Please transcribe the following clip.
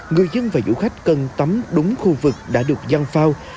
người dân và du khách cần tắm đúng khu vực đã được giang phao